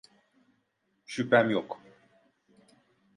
Şüphem yok.